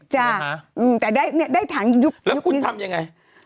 จ้าแต่ได้ถังยุบอยู่แล้วคุณทำอย่างไร